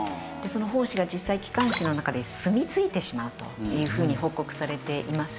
その胞子が実際気管支の中ですみついてしまうというふうに報告されています。